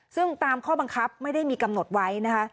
ซึ่งตามข้อบังคับไม่ได้มีกำหนดไว้นะคะ